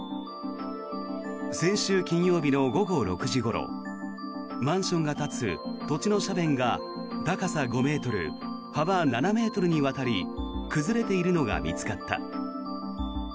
先週金曜日の午後６時ごろマンションが立つ土地の斜面が高さ５ｍ、幅７ｍにわたり崩れているのが見つかった。